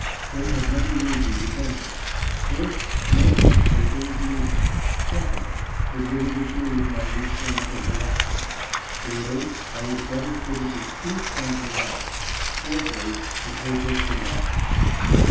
They had many reasons against it. First, no such paper was needed ; secondly, it would interfere with my usefulness as a lecturer ; thirdly, I was better fitted to speak than to write ; fourthly, the paper could not succeed.